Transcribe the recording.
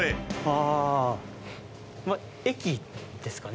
駅ですかね。